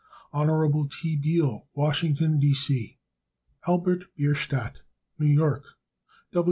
Hon. T. Beal, Washington, D. C. Albert Bierstadt, New York.